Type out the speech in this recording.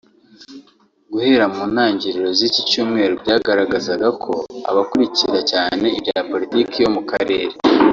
guhera mu ntangiro z’iki Cyumweru byagaragazaga ko abakurikira cyane ibya Politiki yo mu karere